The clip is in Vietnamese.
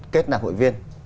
kết nạp hội viên